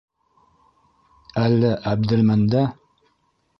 — Әллә Әбделмән дә?